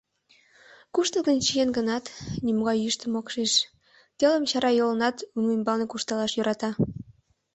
Куштылгын чиен гынат, нимогай йӱштым ок шиж: телым чарайолынат лум ӱмбалне куржталаш йӧрата.